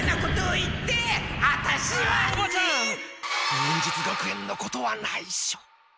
忍術学園のことはないしょ。